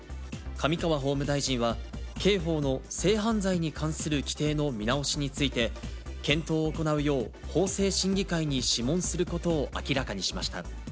上川法務大臣は刑法の性犯罪に関する規定の見直しについて、検討を行うよう法制審議会に諮問することを明らかにしました。